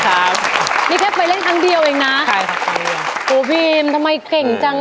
โอ้โหนี่แค่ไปเล่นครั้งเดียวเองนะโอ้พี่ทำไมเก่งจังอ่ะ